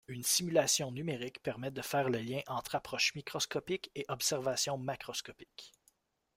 Une simulation numérique permet de faire le lien entre approche microscopique et observation macroscopique.